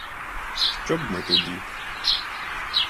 Що б ми тоді?